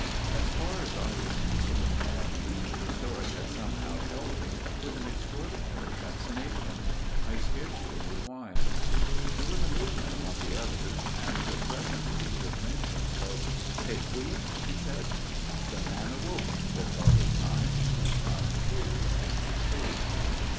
As far as I was concerned at least the story had somehow held me with an extraordinary fascination, I scarcely knew why. There was a movement among the others, and presently the Frenchman spoke. " Et puis ?" he said. " The man awoke," said Father Stein, " and found tears on his face."